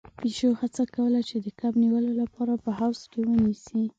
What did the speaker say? پيشو هڅه کوله چې د کب نيولو لپاره په حوض کې ونيسي.